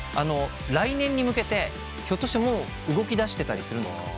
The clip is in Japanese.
来年に向けてひょっとしてもう動きだしてたりするんですか？